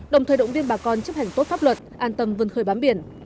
đồng thời động viên bà con chấp hành tốt pháp luật an tâm vân khơi bám biển